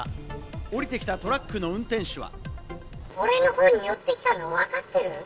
降りてきたトラックの運転手は。